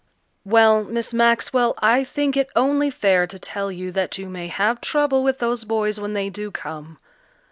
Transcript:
"Well, Miss Maxwell, I think it only fair to tell you that you may have trouble with those boys when they do come.